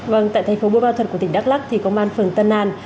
vâng tại thành phố bộ ba thuật của tỉnh đắk lắc công an phường tân an